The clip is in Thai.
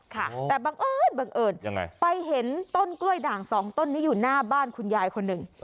แต่บังเอิญไปเห็นต้นกล้วยด่าง๒ต้นนี้อยู่หน้าบ้านคุณยายคนหนึ่ง